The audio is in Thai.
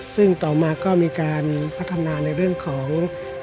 ซึ่งต่อมาก็มีการพัฒนาในเรื่องของ